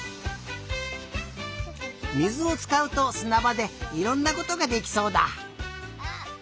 水をつかうとすなばでいろんなことができそうだ。